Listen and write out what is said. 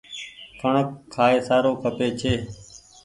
ڪڻڪ کآئي سارو کپي ڇي۔